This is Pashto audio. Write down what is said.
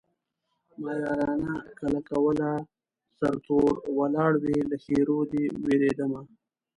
ما يارانه کله کوله سرتور ولاړ وې له ښېرو دې وېرېدمه